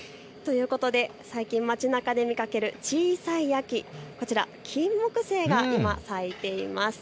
最近、街なかで見かける小さい秋、キンモクセイが今、咲いています。